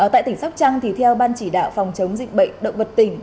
tại tỉnh sóc trăng theo ban chỉ đạo phòng chống dịch bệnh động vật tỉnh